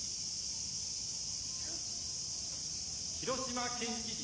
広島県知事。